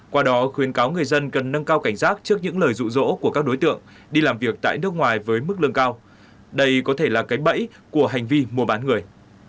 qua đó khuyến cáo người dân cần nâng cao cảnh giác trước những lời rụ rỗ của các đối tượng đi làm việc tại nước ngoài với mức lương cao đây có thể là cái bẫy của hành vi mua bán người